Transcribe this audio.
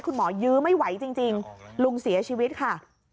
คุณหมอยื้อไม่ไหวจริงจริงลุงเสียชีวิตค่ะ